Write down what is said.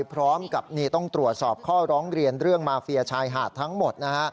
พร้อมกับนี่ต้องตรวจสอบข้อร้องเรียนเรื่องมาเฟียชายหาดทั้งหมดนะฮะ